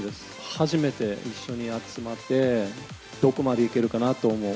初めて一緒に集まって、どこまでいけるかなと思う。